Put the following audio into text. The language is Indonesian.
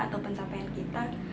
atau pencapaian kita